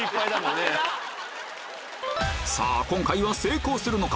さぁ今回は成功するのか？